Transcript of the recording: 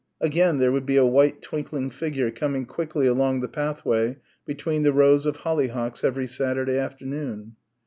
Again there would be a white twinkling figure coming quickly along the pathway between the rows of holly hocks every Saturday afternoon.